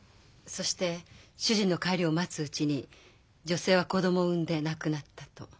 そして主人の帰りを待つうちに女性は子供を産んで亡くなったと。